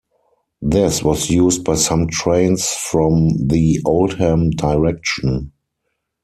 This was used by some trains from the Oldham direction.